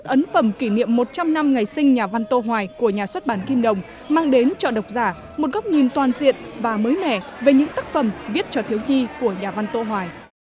hai ấn phẩm kỷ niệm một trăm linh năm ngày sinh nhà văn tô hoài của nhà xuất bản kim đồng mang đến cho độc giả một góc nhìn toàn diện và mới mẻ về những tác phẩm viết cho thiếu nhi của nhà văn tô hoài